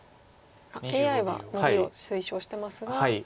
ＡＩはノビを推奨してますが。